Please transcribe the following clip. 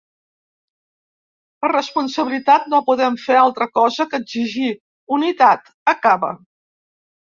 Per responsabilitat, no podem fer altra cosa que exigir unitat, acaba.